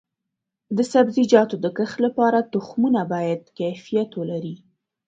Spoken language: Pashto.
د سبزیجاتو د کښت لپاره تخمونه باید کیفیت ولري.